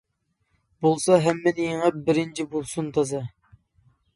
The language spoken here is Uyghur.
بولسا ھەممىنى يېڭىپ بىرىنچى بولسۇن تازا.